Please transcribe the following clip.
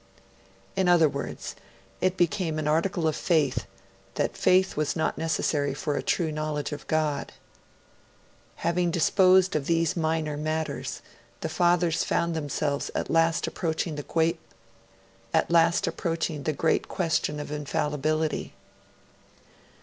In other words, it became an article of Faith that Faith was not necessary for a true knowledge of God. Having disposed of these minor matters, the Fathers found themselves at last approaching the great question of Infallibility.